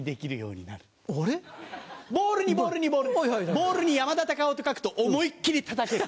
ボールに山田隆夫と書くと思いっきりたたける。